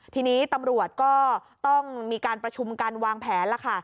ทีนี้ตำรวจก็ต้องมีการประชุมกันวางแผนแล้วค่ะ